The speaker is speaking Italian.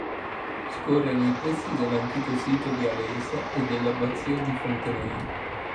Scorre nei pressi dell'antico sito di Alesia e dell'abbazia di Fontenay.